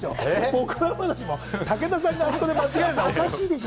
僕はまだしも武田さんがあそこで間違えるのはおかしいでしょ。